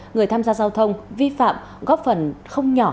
người tham gia giao thông vi phạm góp phần không nhỏ